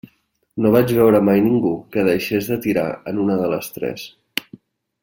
No vaig veure mai ningú que deixés de tirar en una de les tres.